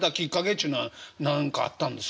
っちゅうのは何かあったんですか？